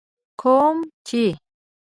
کوم چي